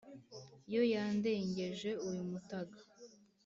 yo yandengeje uyu mutaga